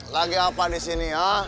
lagi apa disini ya